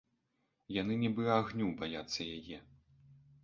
Яны нібы агню баяцца яе.